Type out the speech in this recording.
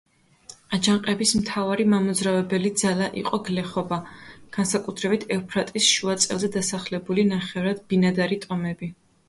აჯანყების მთავარი მამოძრავებელი ძალა იყო გლეხობა, განსაკუთრებით ევფრატის შუა წელზე დასახლებული ნახევრად ბინადარი ტომები.